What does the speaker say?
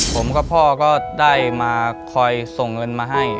ผมกับพ่อก็ได้มาคอยส่งเงินมาให้